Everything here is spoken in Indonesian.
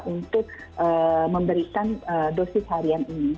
untuk memberikan dosis harian ini